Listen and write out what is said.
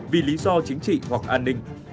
vì lý do chính trị hoặc an ninh